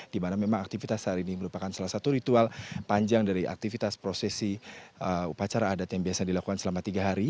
di mana memang aktivitas hari ini merupakan salah satu ritual panjang dari aktivitas prosesi upacara adat yang biasa dilakukan selama tiga hari